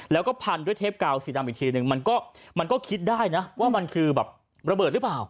แล้วก็พันด้วยเทปกาวสีดำอีกทีนึงมันก็คิดได้นะว่ามันคือแบบระเบิดหรือเปล่า